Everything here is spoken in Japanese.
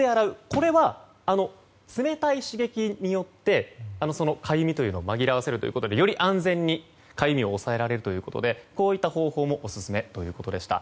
これは冷たい刺激によってかゆみを紛らわせるということでより安全にかゆみを抑えられるということでこういった方法もオススメということでした。